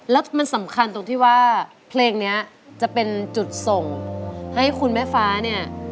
แล้วมันสำคัญตรงที่ว่าเพลงนี้จะเป็นจุดส่งให้คุณแม่ฟ้าเนี่ย